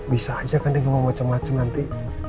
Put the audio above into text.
bisa aja kan dia ngomong macem macem nanti